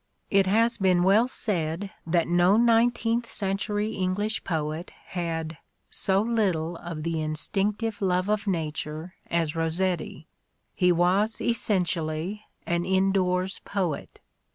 It has been well said that no nineteenth century English poet had '*so little of the instinctive love of nature as Rossetti ... he was essentially an indoors poet."